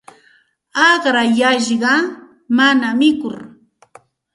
Aqrayashqa mana mikur.